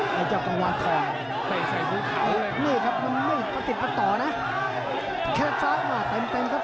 ใกล้เจาะกลางวันทองมันติดมาต่อนะแค่ซ้ายมาเต็มเต็มครับ